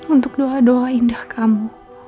untuk doa doa indah kamu